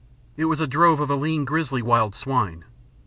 It was a drove of lean grisly wild swine.